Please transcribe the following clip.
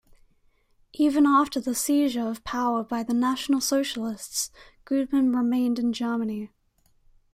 Even after the seizure of power by the National Socialists, Gudeman remained in Germany.